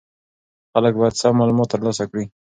خلک باید سم معلومات ترلاسه کړي.